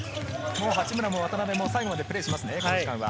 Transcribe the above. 八村も渡邊も最後までプレーしますね、この時間は。